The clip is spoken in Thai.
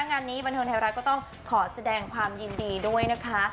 งานนี้บันเทิงไทยรัฐก็ต้องขอแสดงความยินดีด้วยนะคะ